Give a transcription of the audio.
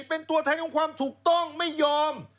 เป็นตัวแทนของความถูกต้องไม่ยอม